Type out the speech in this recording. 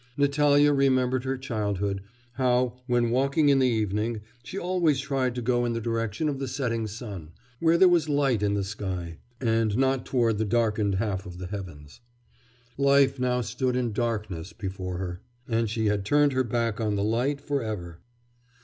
Natalya remembered her childhood, how, when walking in the evening, she always tried to go in the direction of the setting sun, where there was light in the sky, and not toward the darkened half of the heavens. Life now stood in darkness before her, and she had turned her back on the light for ever....